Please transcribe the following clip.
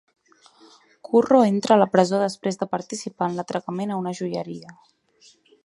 Curro entra a la presó després de participar en l'atracament a una joieria.